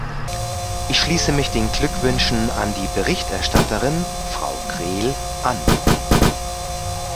Ich schließe mich den Glückwünschen an die Berichterstatterin, Frau Krehl, an.